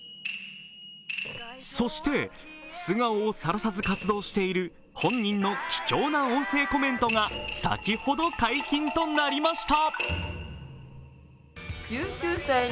そして、素顔をさらさず活動している本人の貴重な音声コメントが先ほど解禁となりました。